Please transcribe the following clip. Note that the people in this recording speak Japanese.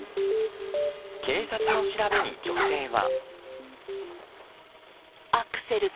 警察の調べに、女性は。